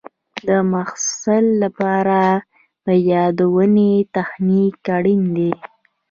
د محصل لپاره د یادونې تخنیک اړین دی.